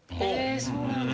えっそうなんだ。